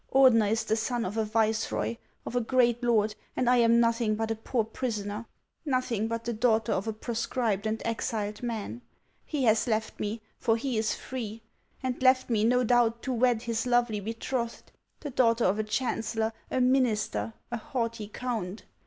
Ordener is the son of a viceroy, of a great lord, and I am nothing but a poor prisoner, nothing but the daughter of a proscribed and exiled man. He has left me, for he is free ; and left me, no doubt, to wed his lovely betrothed, — the daughter of a chancellor, a minister, a haughty count !